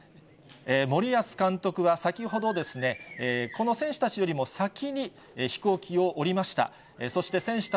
森保監督は先ほど、この選手たちよりも先に飛行機を降りました。